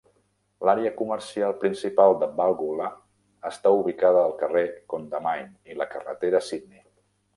L'àrea comercial principal de Balgowlah està ubicada al carrer Condamine i la carretera Sydney.